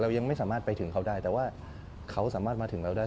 ยังไม่สามารถไปถึงเขาได้แต่ว่าเขาสามารถมาถึงเราได้